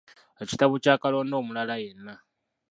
Ekitabo kya kalonda omulala yenna.